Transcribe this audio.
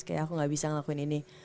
kayak aku gak bisa ngelakuin ini